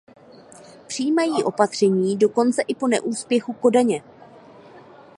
Přijímají opatření, dokonce i po neúspěchu Kodaně.